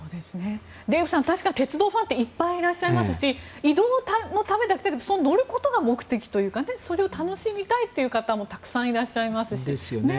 デーブさん、確かに鉄道ファンっていっぱいいらっしゃいますし移動のためだけではなくて乗ることが目的というかそれを楽しみたいという方もたくさんいらっしゃいますしね。